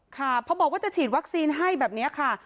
ค่ะพอบอกว่าจะฉีดวัคซีนให้แบบนี้ค่ะ